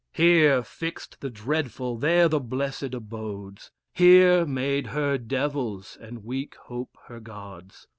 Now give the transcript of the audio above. Here fixed the dreadful, there the blessed abodes, Here made her devils, and weak hope her Gods.